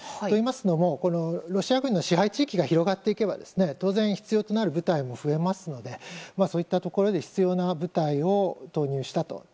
といいますのもロシア軍の支配地域が広がっていけば当然、必要となる部隊も増えますのでそういったところで必要な部隊を投入したと。